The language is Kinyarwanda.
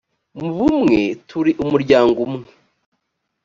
mubumwe turi umuryango umwe